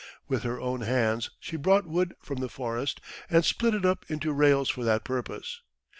With her own hands she brought wood from the forest and split it up into rails for that purpose.